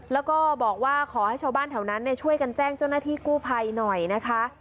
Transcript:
แล้วก็บอกว่าขอให้ชาวบ้านแถวนั้นช่วยกันแจ้งเจ้าหน้าที่กู้ภัยหน่อยนะคะ